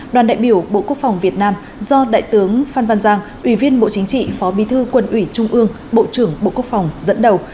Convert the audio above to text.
đoàn đại biểu bộ quốc phòng việt nam do đại tướng phan văn giang ủy viên bộ chính trị phó bi thư quân ủy trung ương bộ trưởng bộ quốc phòng dẫn đầu